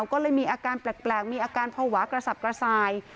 ก็เลยมีอาการแปลกมีอาการภาวะกระสับกระส่าย